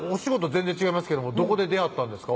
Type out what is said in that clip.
全然違いますけどどこで出会ったんですか？